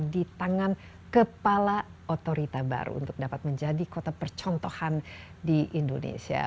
di tangan kepala otorita baru untuk dapat menjadi kota percontohan di indonesia